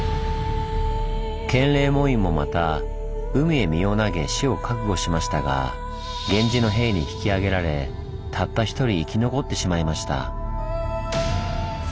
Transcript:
建礼門院もまた海へ身を投げ死を覚悟しましたが源氏の兵に引きあげられたった一人生き残ってしまいました。